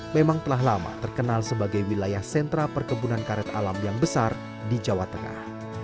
memang telah lama terkenal sebagai wilayah sentra perkebunan karet alam yang besar di jawa tengah